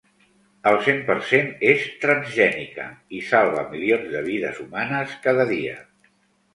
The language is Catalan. El cent per cent és transgènica i salva milions de vides humanes cada dia.